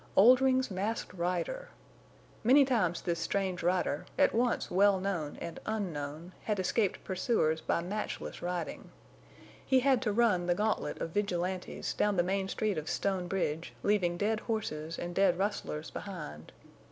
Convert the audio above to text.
Oldring's Masked Rider! Many times this strange rider, at once well known and unknown, had escaped pursuers by matchless riding. He had to run the gantlet of vigilantes down the main street of Stone Bridge, leaving dead horses and dead rustlers behind.